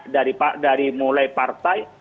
dari mulai partai